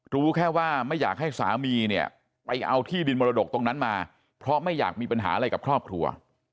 รู้แค่ว่าไม่อยากให้สามีเนี่ยไปเอาที่ดินมรดกตรงนั้นมาเพราะไม่อยากมีปัญหาอะไรกับครอบครัว